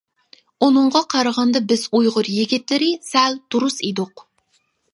ئۇنىڭغا قارىغاندا بىز ئۇيغۇر يىگىتلىرى سەل دۇرۇس ئىدۇق.